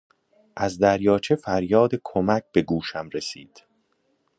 از دریاچه فریاد کمک به گوشم رسید.